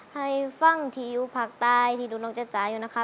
ให้ฟังที่อยู่ภาคใต้ที่ดูน้องเจ๊จ๋าอยู่นะคะ